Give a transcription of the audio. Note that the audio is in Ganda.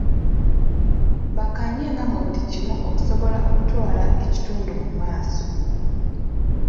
Bakkaanyenga mu buli kimu okusobola okutwala ekitundu mu maaso.